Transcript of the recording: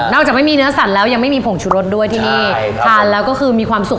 จากไม่มีเนื้อสัตว์แล้วยังไม่มีผงชุรสด้วยที่นี่ทานแล้วก็คือมีความสุข